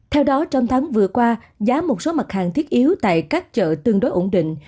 theo đó trong tháng vừa qua giá một số mặt hàng thiết yếu tại các chợ tương đối ổn định